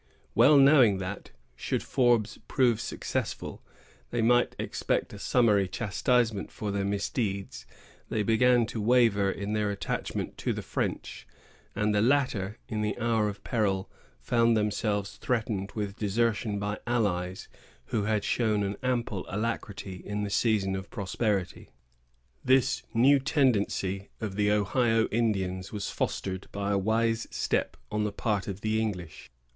Well knowing that, should Forbes prove successful, they might expect a summary chastisement for their misdeeds, they began to waver in their attachment to the French; and the latter, in the hour of peril, found themselves threatened with desertion by allies who had shown an ample alacrity in the season of prosperity. This new tendency of the Ohio Indians was fostered by a wise step on the part of the English.